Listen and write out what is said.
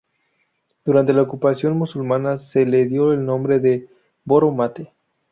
Durante la ocupación musulmana se le dio el nombre de 'Boro-Mate'.